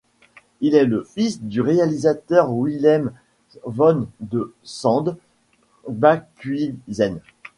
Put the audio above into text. Il est le fils du réalisateur Willem van de Sande Bakhuyzen.